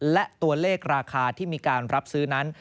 และตัวเลขราคาที่มีการรับซื้อนั้น